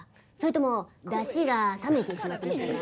それともだしが冷めてしまってましたか？」